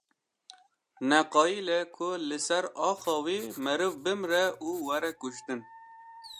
Neqayîle ku li ser axa wî meriv bimre û were kuştin.